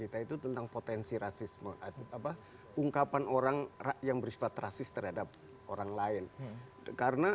tentang potensi rasisme atau apa ungkapan orang yang berispat rasis terhadap orang lain karena